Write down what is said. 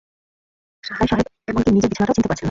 সাহায় সাহেব এমনকি নিজের বিছানাটাও চিনতে পারছেন না।